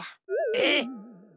えっ！？